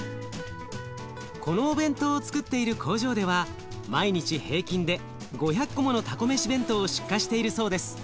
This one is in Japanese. このお弁当をつくっている工場では毎日平均で５００個ものたこ飯弁当を出荷しているそうです。